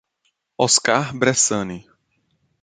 Oscar Bressane